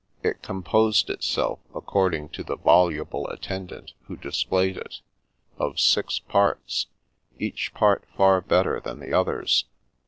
It composed itself, according to the voluble attendant who dis played it, of six parts, each part far better than the others.